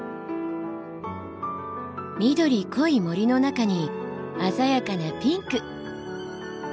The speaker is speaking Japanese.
緑濃い森の中に鮮やかなピンク！